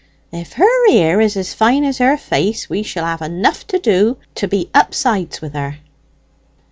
If her ear is as fine as her face, we shall have enough to do to be up sides with her."